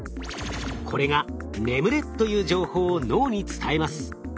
これが「眠れ！」という情報を脳に伝えます。